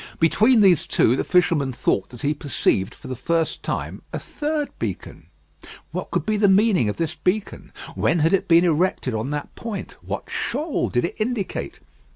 Between these two, the fisherman thought that he perceived for the first time a third beacon. What could be the meaning of this beacon? When had it been erected on that point? What shoal did it indicate?